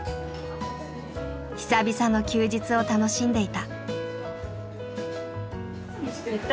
久々の休日を楽しんでいた。